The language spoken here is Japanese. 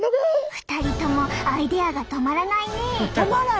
２人ともアイデアが止まらないね！